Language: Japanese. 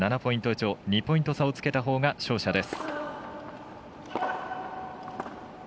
２ポイント差をつけたほうが勝者です。